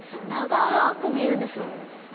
長く見えるんですよ。